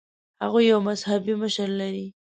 هغوی یو مذهبي مشر لري.